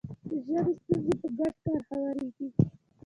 د ژبې ستونزې په ګډ کار هواریږي.